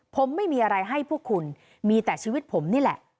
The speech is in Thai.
ผมไม่มีอะไรให้พวกคุณมีแต่ชีวิตผมนี่แหละ